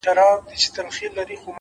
عاجزي د درناوي تخم کرل دي’